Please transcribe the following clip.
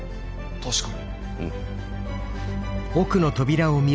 確かに。